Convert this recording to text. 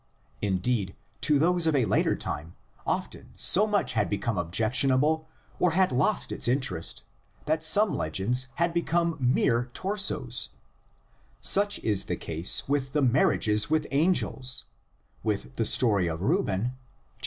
Indeed, to those of a later time often so much had become objectionable or had lost its interest that some legends have become mere torsos: such is the case with the marriages with angels, with the story of Reuben (xxxv.